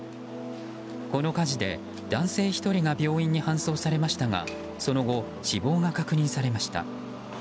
この火事で男性１人が病院に搬送されましたがその後、死亡が確認されました。